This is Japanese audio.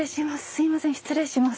すいません失礼します。